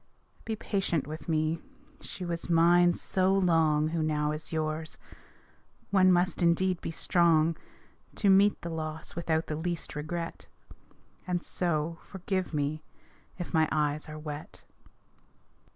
Be patient with me! She was mine so long Who now is yours. One must indeed be strong, To meet the loss without the least regret. And so, forgive me, if my eyes are wet.